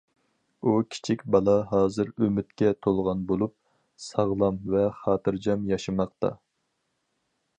ئۇ كىچىك بالا ھازىر ئۈمىدكە تولغان بولۇپ، ساغلام ۋە خاتىرجەم ياشىماقتا.